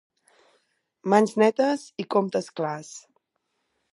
Mans netes i comptes clars.